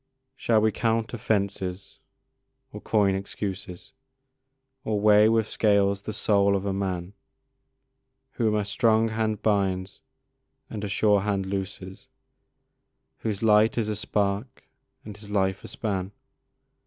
Shall we count offences or coin excuses, Or weigh with scales the soul of a man, Whom a strong hand binds and a sure hand looses, Whose light is a spark and his life a span?